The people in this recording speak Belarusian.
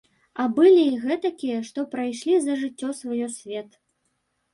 А былі і гэтакія, што прайшлі за жыццё сваё свет.